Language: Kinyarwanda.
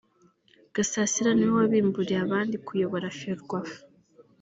Gasarasi ni we wabimburiye abandi kuyobora Ferwafa